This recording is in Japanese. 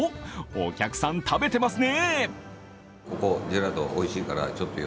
お客さん、食べてますね。